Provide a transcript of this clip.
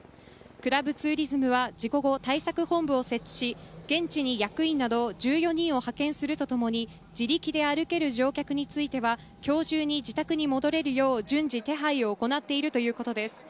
クラブツーリズムは事故後、対策本部を設置し現地に役員など１４人を派遣すると共に自力で歩ける乗客については今日中に自宅に戻れるよう順次、手配を行っているということです。